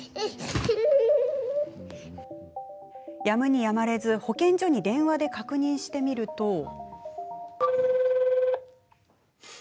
やむにやまれず保健所に電話で確認してみると。